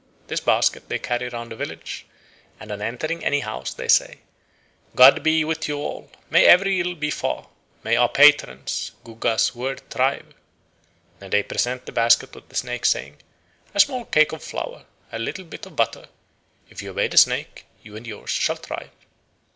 This basket they carry round the village, and on entering any house they say: "God be with you all! May every ill be far! May our patron's (Gugga's) word thrive!" Then they present the basket with the snake, saying: "A small cake of flour: a little bit of butter: if you obey the snake, you and yours shall thrive!"